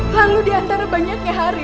lalu diantara banyaknya hari